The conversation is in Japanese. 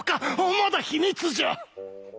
まだ秘密じゃ！